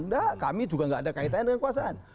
tidak kami juga tidak ada kaitan dengan kekuasaan